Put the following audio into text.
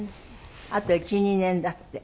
あと１２年だって。